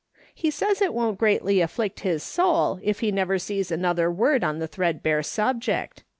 He says it won't greatly afflict his soul if he never sees another word on the thread bare subject.